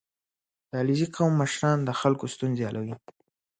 • د علیزي قوم مشران د خلکو ستونزې حل کوي.